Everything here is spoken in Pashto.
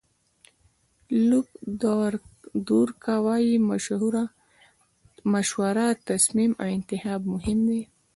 لوپ دورکا وایي مشوره، تصمیم او انتخاب مهم دي.